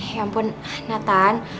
ya ampun natan